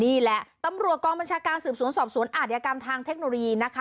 นี่แหละตำรวจกองบัญชาการสืบสวนสอบสวนอาจยากรรมทางเทคโนโลยีนะคะ